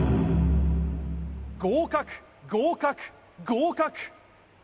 合格合格合格